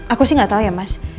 aku sih nggak tahu ya mas